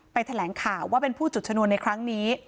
แถลงข่าวว่าเป็นผู้จุดชนวนในครั้งนี้